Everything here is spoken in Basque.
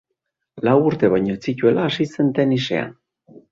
Lau urte baino ez zituela hasi zen tenisean.